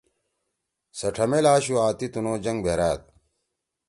سے ٹھمیل آشُو آں تی تُنُو جَنگ بَھرأد۔